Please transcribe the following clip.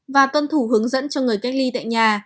và tuân thủ hướng dẫn cho người cách ly tại nhà